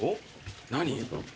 ・何？